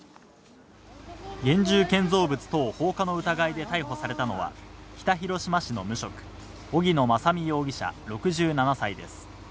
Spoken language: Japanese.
現住建造物等放火の疑いで逮捕されたのは、北広島市の無職、荻野正美容疑者６７歳です。